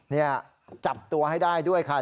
นี่จับตัวให้ได้ด้วยค่ะ